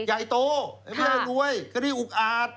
ใหญ่โตไม่ได้รวยก็ได้อุกอาจ